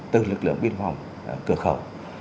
từ lực lượng biên phòng cửa khẩu